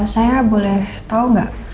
saya boleh tau nggak